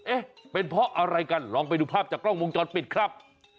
เอ๊ะเป็นเพราะอะไรกันลองไปดูภาพจากกล้องวงจรปิดครับ